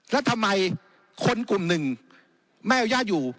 แล้วทำไมคนกลุ่มหนึ่งไม่เอาย่าอยู่